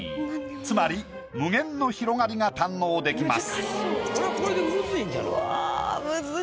つまり無限の広がりが堪能できます。